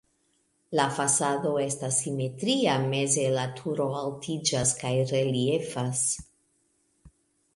La fasado estas simetria, meze la turo altiĝas kaj reliefas.